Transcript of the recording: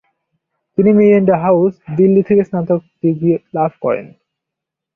তিনি Miranda House, Delhi থেকে স্নাতক ডিগ্রি লাভ করেন।